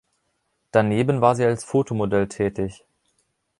Daneben war sie als Fotomodell tätig.